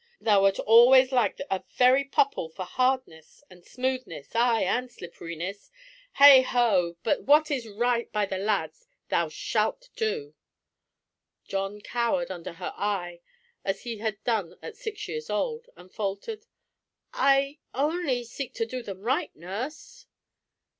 Thou wert always like a very popple for hardness, and smoothness, ay, and slipperiness. Heigh ho! But what is right by the lads, thou shalt do." John cowered under her eye as he had done at six years old, and faltered, "I only seek to do them right, nurse."